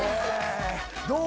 どう？